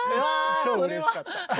超うれしかった。